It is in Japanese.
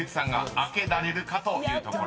開けられるかというところ］